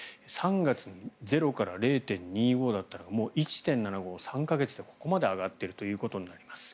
３月に０から０．２５だったのがもう１．７５３か月でここまで上がっているということになります。